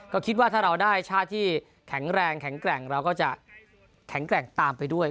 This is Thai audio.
ก็คิดว่าถ้าเราได้ชาติที่แข็งแรงแข็งแกร่งเราก็จะแข็งแกร่งตามไปด้วย